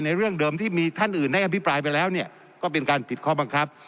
เรื่องเดิมที่มีท่านอื่นให้อภิปรายไปแล้วเนี่ยก็เป็นการผิดข้อบังคับ